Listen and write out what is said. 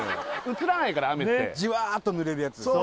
映らないから雨ってジワーッと濡れるやつですね